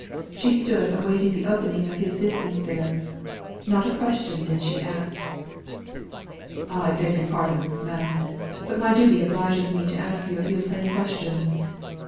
She stood awaiting the opening of his business there. Not a question did she ask. "I beg your pardon, ma'am, but my duty obliges me to ask you a few plain questions.